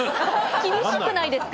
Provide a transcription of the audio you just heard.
厳しくないですか？